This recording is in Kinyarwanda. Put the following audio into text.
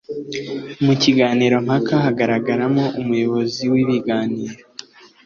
Mu kiganiro mpaka hagaragaramo umuyobozi w’ibiganiro,